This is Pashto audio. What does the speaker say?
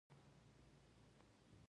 په همدې نامه یو حکومت او نظام جوړېږي.